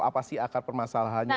apa sih akar permasalahannya